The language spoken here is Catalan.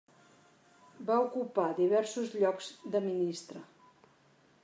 Va ocupar diversos llocs de ministre.